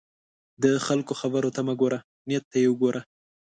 د خلکو خبرو ته مه ګوره، نیت ته یې وګوره.